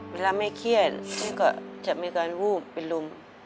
เวลาไม่เครียดจะไม่กันหู้มเป็นลุง